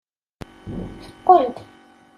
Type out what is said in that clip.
Teqqel-d.